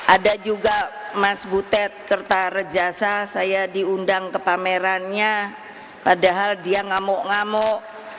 ada juga mas butet kertarejasa saya diundang ke pamerannya padahal dia ngamuk ngamuk